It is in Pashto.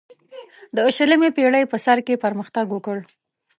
د شلمې پیړۍ په سر کې پرمختګ وکړ.